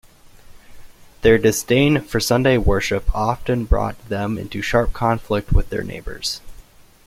Their disdain for Sunday worship often brought them into sharp conflict with their neighbors.